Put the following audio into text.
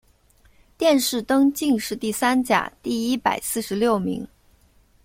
殿试登进士第三甲第一百四十六名。